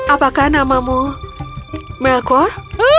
apakah namamu melkor